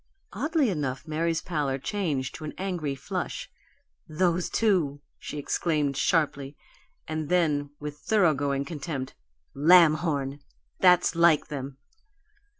Oddly enough, Mary's pallor changed to an angry flush. "Those two!" she exclaimed, sharply; and then, with thoroughgoing contempt: "Lamhorn! That's like them!"